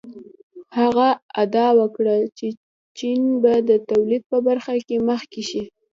هغه ادعا وکړه چې چین به د تولید په برخه کې مخکې شي.